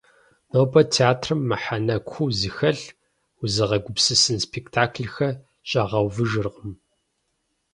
Нобэ театрым мыхьэнэ куу зыхэлъ, узыгъэгупсысэн спектакльхэр щагъэувыжыркъым.